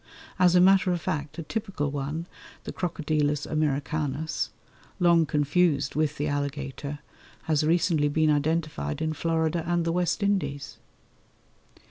As a matter of fact, a typical one, the Crocodilus americanus, long confused with the alligator, has recently been identified in Florida and the West Indies.